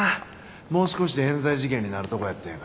もう少しで冤罪事件になるとこやったんやから。